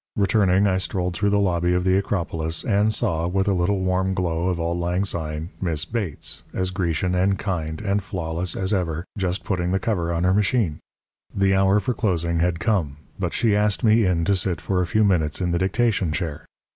Returning, I strolled through the lobby of the Acropolis, and saw, with a little warm glow of auld lang syne, Miss Bates, as Grecian and kind and flawless as ever, just putting the cover on her machine. The hour for closing had come; but she asked me in to sit for a few minutes in the dictation chair.